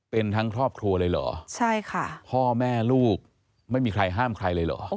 เป็นทั้งครอบครัวเลยเหรอใช่ค่ะพ่อแม่ลูกไม่มีใครห้ามใครเลยเหรอ